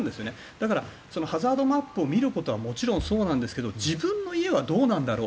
だから、ハザードマップを見ることはもちろんそうなんですが自分の家はどうなんだろう